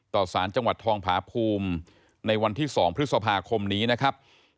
สารจังหวัดทองผาภูมิในวันที่๒พฤษภาคมนี้นะครับ